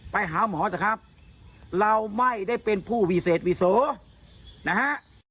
ไปหาหมอเถอะครับเราไม่ได้เป็นผู้วิเศษวิโสนะฮะ